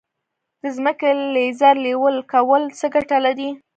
د ځمکې لیزر لیول کول څه ګټه لري؟